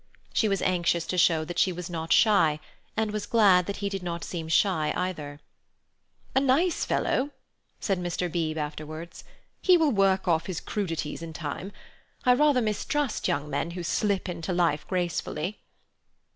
She was anxious to show that she was not shy, and was glad that he did not seem shy either. "A nice fellow," said Mr. Beebe afterwards "He will work off his crudities in time. I rather mistrust young men who slip into life gracefully."